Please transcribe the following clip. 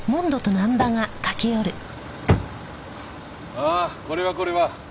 ああこれはこれは。